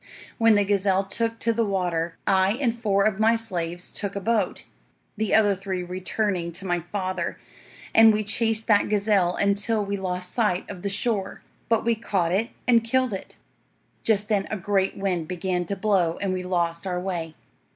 When the gazelle took to the water I and four of my slaves took a boat, the other three returning to my father, and we chased that gazelle until we lost sight of the shore, but we caught it and killed it. Just then a great wind began to blow, and we lost our way.